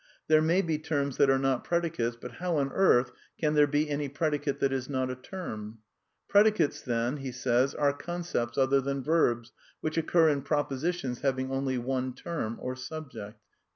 There may be \ terms that are not predicates, but how on earth can tiiere \be any predicate that is not a term }" Predicates, then, are concepts other than verbs, which occur in propositions having only one term or subject."